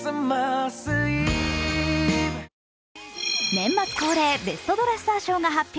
年末恒例、ベストドレッサー賞が発表。